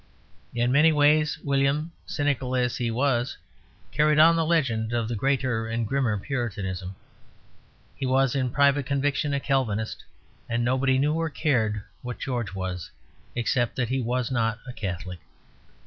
In many ways William, cynical as he was, carried on the legend of the greater and grimmer Puritanism. He was in private conviction a Calvinist; and nobody knew or cared what George was except that he was not a Catholic.